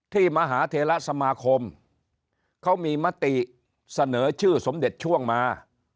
มหาเทระสมาคมเขามีมติเสนอชื่อสมเด็จช่วงมา